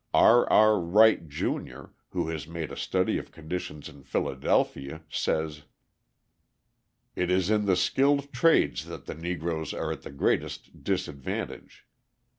R. R. Wright, Jr., who has made a study of conditions in Philadelphia, says: "It is in the skilled trades that the Negroes are at the greatest disadvantage.